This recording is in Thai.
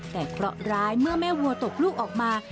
แต่เคราะห์ร้ายเมื่อแม่วัวตกลูกออกมา